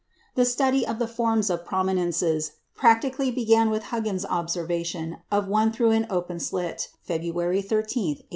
The study of the forms of prominences practically began with Huggins's observation of one through an "open slit" February 13, 1869.